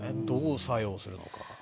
どう作用するのか。